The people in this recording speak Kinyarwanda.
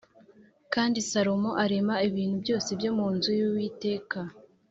Kandi Salomo arema ibintu byose byo mu nzu y’Uwiteka